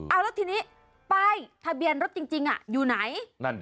เอาแล้วทีนี้ป้ายทะเบียนรถจริงอยู่ไหน